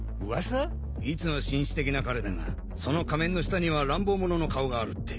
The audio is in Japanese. いつも紳士的な彼だがその仮面の下には乱暴者の顔があるって。